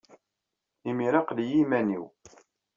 Imir-a, aql-iyi i yiman-inu.